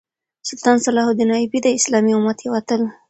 سلطان صلاح الدین ایوبي د اسلامي امت یو اتل وو.